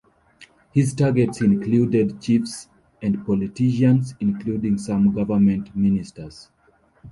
His targets included chiefs and politicians, including some government Ministers.